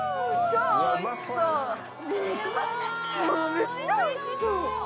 めっちゃおいしそう！